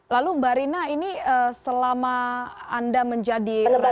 lalu mbak rina ini selama anda menjadi relawan